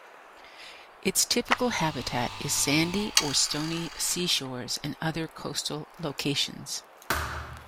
Its typical habitat is sandy or stony seashores and other coastal locations.